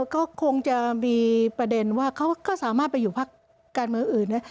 ก็คงจะมีประเด็นว่าเขาก็สามารถไปอยู่พักการเมืองอื่น